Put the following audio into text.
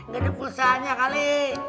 gak ada pulsanya kali